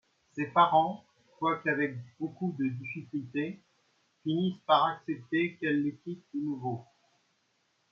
Ses parents, quoiqu'avec beaucoup de difficulté, finissent par accepter qu'elle les quitte de nouveau.